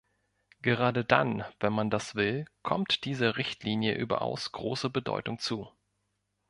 Gerade dann, wenn man das will, kommt dieser Richtlinie überaus große Bedeutung zu.